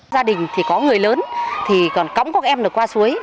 gia đình thì có người lớn thì còn cống các em được qua suối